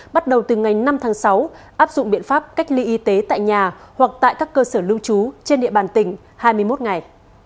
bắt đầu từ ngày năm tháng sáu áp dụng biện pháp cách ly y tế tại nhà hoặc tại các cơ sở lưu trú trên địa bàn tỉnh hai mươi một ngày